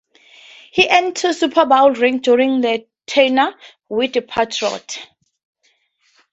He earned two Super Bowl rings during his tenure with the Patriots.